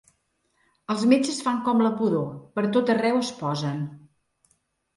Els metges fan com la pudor: pertot arreu es posen.